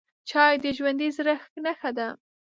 چای د ژوندي زړه نښه ده